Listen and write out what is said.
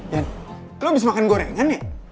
ya lo abis makan gorengan ya